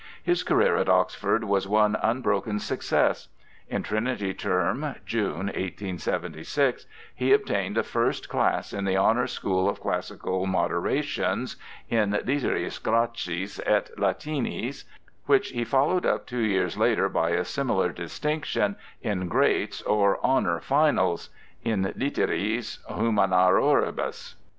His career at Oxford was one unbroken success. In Trinity Term (June), 1876, he obtained a First Class in the Honour School of Classical Moderations (in literis Græcis et Latinis), which he followed up two years later by a similar distinction in 'Greats' or 'Honour Finals' (in literis humanioribus).